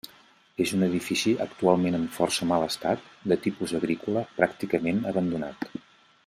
És un edifici actualment en força mal estat, de tipus agrícola, pràcticament abandonat.